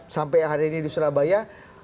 sampai hari ini di surabaya